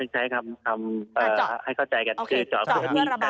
ใช่ครับ